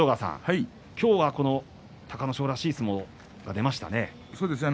今日は隆の勝らしい相撲が出ましたね。